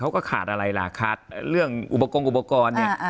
ขาดอะไรล่ะขาดเรื่องอุปกรณ์อุปกรณ์เนี่ย